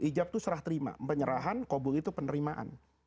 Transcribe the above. ijab itu serah terima penyerahan qobul itu penerimaan